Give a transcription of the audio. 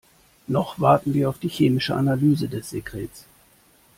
Noch warten wir auf die chemische Analyse des Sekrets.